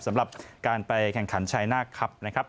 สำหรับการไปแข่งขันชายนาคครับนะครับ